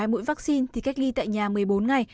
hai mũi vaccine thì cách ly tại nhà một mươi bốn ngày